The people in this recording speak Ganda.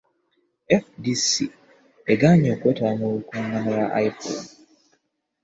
FDC egaanye okwetaba mu lukungaana lwa IPOD